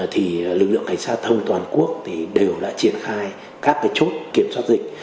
thì lực lượng cảnh sát thông toàn quốc đều đã triển khai các cái chốt kiểm soát dịch